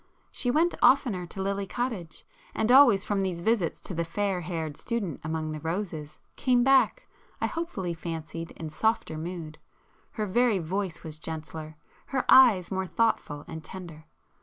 She went oftener to Lily Cottage, and always from these visits to the fair haired student among the roses, came back, I hopefully fancied in softer mood,—her very voice was gentler,—her eyes more thoughtful and tender.